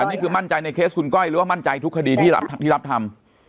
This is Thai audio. นี่คือมั่นใจในเคสคุณก้อยหรือว่ามั่นใจทุกคดีที่รับทำ